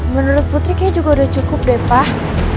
menurut putri kayaknya juga udah cukup deh pak